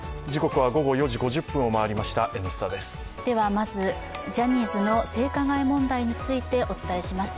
まずジャニーズの性加害問題についてお伝えします。